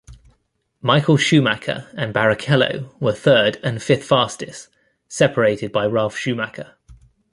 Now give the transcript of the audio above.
Michael Schumacher and Barrichello were third and fifth fastest, separated by Ralf Schumacher.